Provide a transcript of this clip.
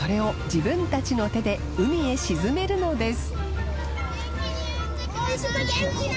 自分たちの手で海へ沈めるのです